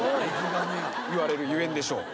いわれるゆえんでしょう。